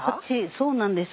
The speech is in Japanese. そうなんです。